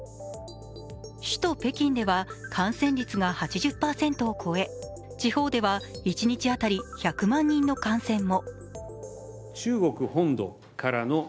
首都・北京では感染率が８０％を超え地方では一日当たり１００万人の感染も。